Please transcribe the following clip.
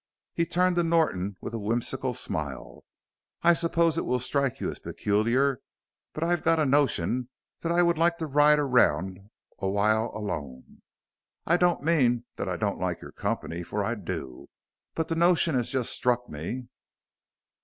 He turned to Norton with a whimsical smile. "I suppose it will strike you as peculiar, but I've got a notion that I would like to ride around a while alone. I don't mean that I don't like your company, for I do. But the notion has just struck me."